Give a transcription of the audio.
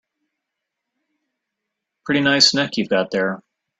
Pretty nice neck you've got there.